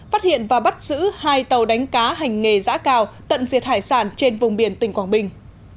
phát hiện và bắt giữ hai tàu đánh cá hành nghề giã cào tận diệt hải sản trên vùng biển tỉnh quảng bình